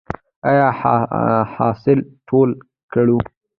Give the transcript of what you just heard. آیا حاصل ټول کړو؟